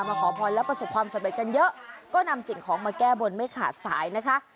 ขอพรแล้วประสบความสำเร็จกันเยอะก็นำสิ่งของมาแก้บนไม่ขาดสายนะคะ